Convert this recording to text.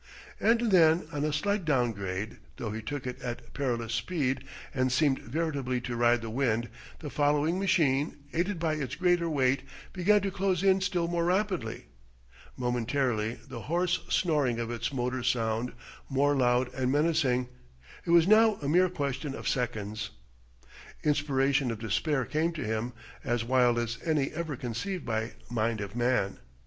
And then, on a slight down grade, though he took it at perilous speed and seemed veritably to ride the wind, the following machine, aided by its greater weight, began to close in still more rapidly. Momentarily the hoarse snoring of its motor sounded more loud and menacing. It was now a mere question of seconds.... Inspiration of despair came to him, as wild as any ever conceived by mind of man.